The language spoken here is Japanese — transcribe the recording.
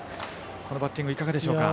このバッティングいかがでしょうか？